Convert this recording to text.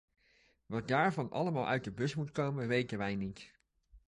Wat daarvan allemaal uit de bus moet komen, weten wij niet.